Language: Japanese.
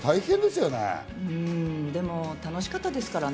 うん、でも楽しかったですからね。